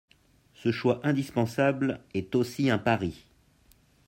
Ce choix indispensable est aussi un pari.